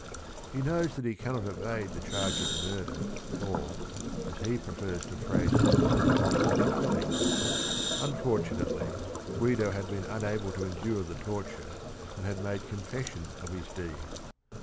He knows that he cannot evade the charge of murder or, as he prefers to phrase it, of the "killing." Unfor tunately Guido had been unable to endure the torture and had made confession of his deed.